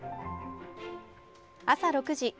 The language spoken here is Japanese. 朝６時。